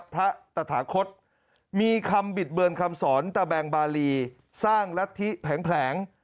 ตะถาคศมีคำบิดเบือนคำสอนตะแบงบาลีสร้างรัฐธิแผง